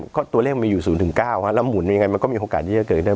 ก็ตัวเลขมีอยู่๐๙แล้วหมุนยังไงมันก็มีโอกาสที่จะเกิดขึ้นได้